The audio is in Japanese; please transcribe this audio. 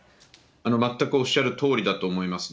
全くおっしゃるとおりだと思いますね。